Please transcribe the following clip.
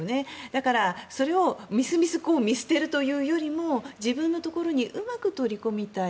だからそれをみすみす見捨てるというよりも自分のところにうまく取り込みたい。